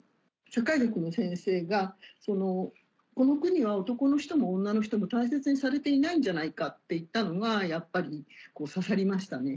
社会学の先生が「この国は男の人も女の人も大切にされていないんじゃないか」って言ったのがやっぱり刺さりましたね。